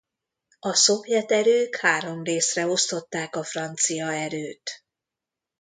A szovjet erők három részre osztották a francia erőt.